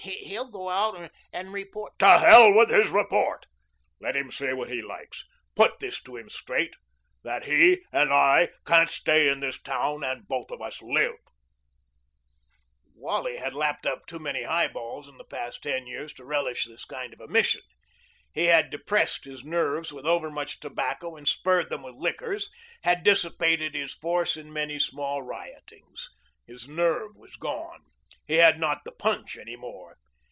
He'll go out and report " "To hell with his report. Let him say what he likes. Put this to him straight: that he and I can't stay in this town and both of us live." Wally had lapped up too many highballs in the past ten years to relish this kind of a mission. He had depressed his nerves with overmuch tobacco and spurred them with liquors, had dissipated his force in many small riotings. His nerve was gone. He had not the punch any more.